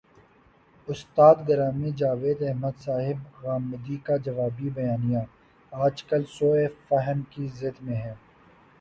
استاد گرامی جاوید احمد صاحب غامدی کا جوابی بیانیہ، آج کل سوء فہم کی زد میں ہے۔